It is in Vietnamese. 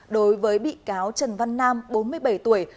đối với bị cáo trần văn nam bốn mươi bảy tuổi